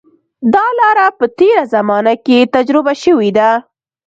دا لاره په تېره زمانه کې تجربه شوې ده.